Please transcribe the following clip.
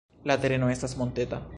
La tereno estas monteta.